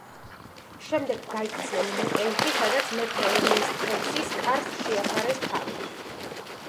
შემდეგ გაიქცნენ მიკენში, სადაც მეფე ევრისთევსის კარს შეაფარეს თავი.